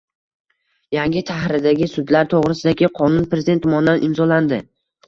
Yangi tahrirdagi “Sudlar to‘g‘risida”gi qonun Prezident tomonidan imzolandi